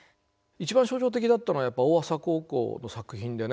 一番象徴的だったのはやっぱり大麻高校の作品でね。